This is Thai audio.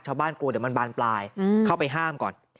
กลัวเดี๋ยวมันบานปลายเข้าไปห้ามก่อน